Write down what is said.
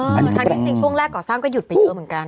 ทั้งที่จริงช่วงแรกก่อสร้างก็หยุดไปเยอะเหมือนกัน